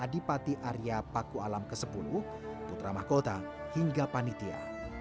dan adipati arya paku alam ke sepuluh putra mahkota hingga panitia